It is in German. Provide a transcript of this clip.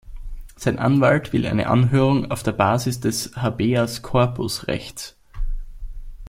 Sein Anwalt will eine Anhörung auf der Basis des „Habeas Corpus“-Rechts.